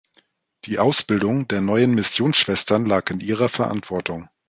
Die Ausbildung der neuen Missionsschwestern lag in ihrer Verantwortung.